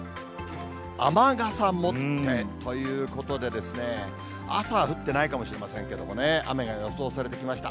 雨傘もってということでですね、朝降ってないかもしれませんけれどもね、雨が予想されてきました。